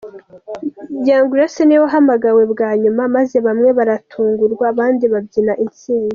Young Grace niwe wahamagawe bwa nyuma, maze bamwe baratungurwa abandi babyina intsinzi.